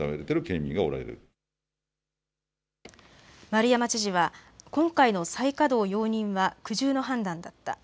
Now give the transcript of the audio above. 丸山知事は今回の再稼働容認は苦渋の判断だった。